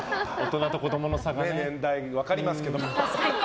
年代が分かりますけども。